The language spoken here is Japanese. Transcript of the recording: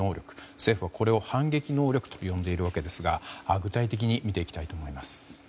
政府はこれを反撃能力と呼んでいるわけですが具体的に見ていきたいと思います。